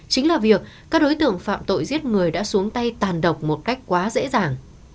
chính là việc các đối tượng phạm tội giết người đã xuống tay tàn độc một cách quá dễ dàng